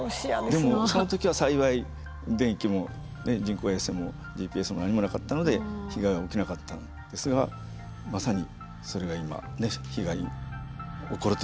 でもその時は幸い電気も人工衛星もＧＰＳも何もなかったので被害は起きなかったんですがまさにそれが今被害が起こるという時代になってきたんです。